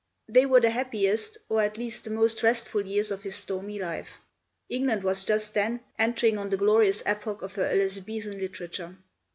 They were the happiest, or at least the most restful years of his stormy life. England was just then entering on the glorious epoch of her Elizabethan literature.